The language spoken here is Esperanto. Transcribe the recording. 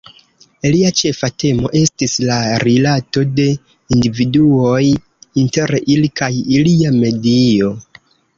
Lia ĉefa temo estis la rilato de individuoj inter ili kaj ilia medio.